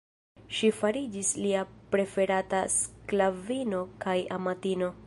Ŝi fariĝis lia preferata sklavino kaj amatino.